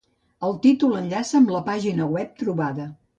El títol enllaça amb la pàgina web trobada.